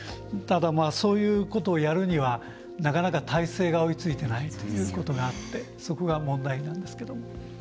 ただ、そういうことをやるにはなかなか体制が追いついていないということがあってそこが問題なんですけども。